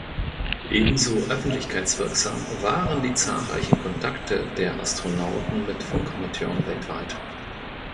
Ebenso öffentlichkeitswirksam waren die zahlreichen Kontakte der Astronauten mit Funkamateuren weltweit.